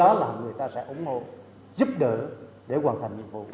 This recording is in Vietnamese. đó là người ta sẽ ủng hộ giúp đỡ để hoàn thành nhiệm vụ